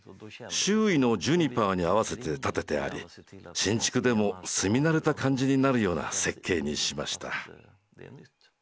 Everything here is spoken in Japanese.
周囲のジュニパーに合わせて建ててあり新築でも住み慣れた感じになるような設計にしました。